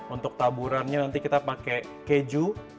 untuk taburannya nanti kita pakai keju